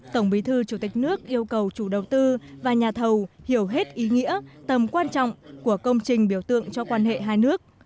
tổng bí thư chủ tịch nước yêu cầu chủ đầu tư và nhà thầu hiểu hết ý nghĩa tầm quan trọng của công trình biểu tượng cho quan hệ hai nước